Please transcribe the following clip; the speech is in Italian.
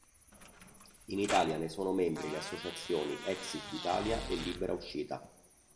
In Italia ne sono membri le associazioni Exit Italia e Libera Uscita.